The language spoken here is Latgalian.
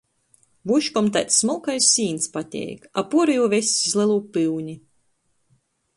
Vuškom taids smolkais sīns pateik, a puorejū vess iz lelū pyuni.